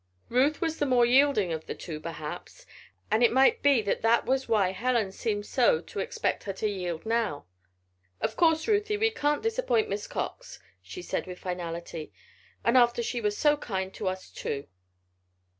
Ruth was the more yielding of the two, perhaps, and it might be that that was why Helen seemed so to expect her to yield now. "Of course, Ruthie, we can't disappoint Miss Cox," she said, with finality. "And after she was so kind to us, too."